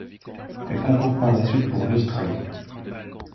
Elle concourt par la suite pour l'Australie.